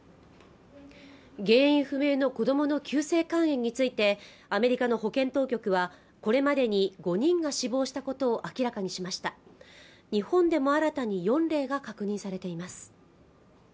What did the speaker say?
原因不明の子どもの急性肝炎についてアメリカの保健当局はこれまでに５人が死亡したことを明らかにしました日本でも新たに４例が確認されています